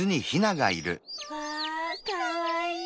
わあかわいい！